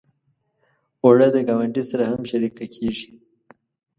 اوړه د ګاونډي سره هم شریکه کېږي